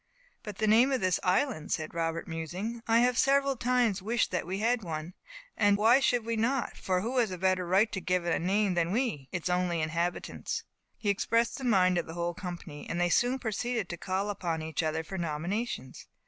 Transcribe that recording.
"But the name of this island," said Robert, musing; "I have several times wished that we had one. And why should we not, for who has a better right to give it a name than we, its only inhabitants?" He expressed the mind of the whole company, and they soon proceeded to call upon each other for nominations.